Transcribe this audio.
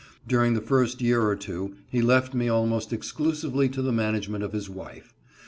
During the first year or two, he left me al most exclusively to the management of his wife.